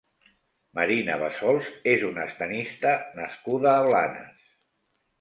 Marina Bassols és una tennista nascuda a Blanes.